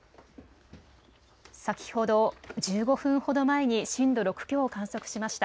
先ほど１５分ほど前に震度６強を観測しました。